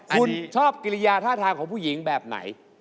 คุณชอบกิริยาท่าทางของผู้หญิงแบบไหน